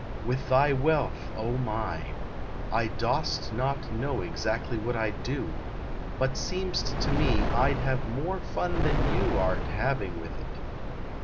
With thy wealth, oh, my I I dost not know exactly what I d do, But seem st to me I d have more fun than you Art havin with it.